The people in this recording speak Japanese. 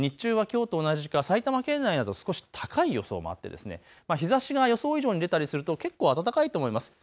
各地の最高気温、見ますと日中はきょうと同じか埼玉県内など少し高い予想もあって、日ざしが予想以上に出たりすると結構暖かいと思います。